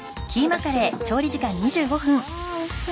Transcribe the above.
うわおいしそう。